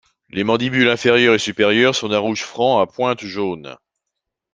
Les mandibules inférieur et supérieur sont d'un rouge-franc à pointes jaunes.